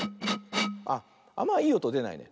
あっあんまいいおとでないね。